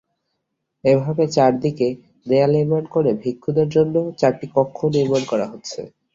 এভাবে চারদিকে দেয়াল নির্মাণ করে ভিক্ষুদের জন্য চারটি কক্ষও নির্মাণ করা হচ্ছে।